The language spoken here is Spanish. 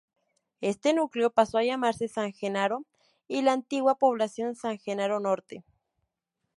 Este núcleo pasó a llamarse San Genaro y la antigua población San Genaro Norte.